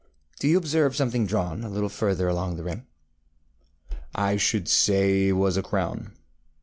Do you observe something drawn a little further along the rim? ŌĆØ ŌĆ£I should say it was a crown.